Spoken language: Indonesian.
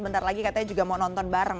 bentar lagi katanya juga mau nonton bareng